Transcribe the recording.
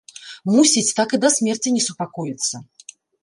Мусіць, так і да смерці не супакоіцца.